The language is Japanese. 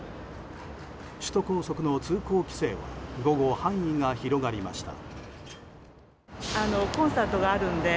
首都高速の交通規制は午後、範囲が広がりました。